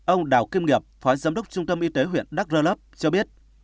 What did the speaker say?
ông đào kim nghiệp phó giám đốc trung tâm y tế huyện đắk rơ lấp cho biết